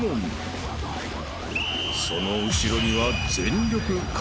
［その後ろには全力］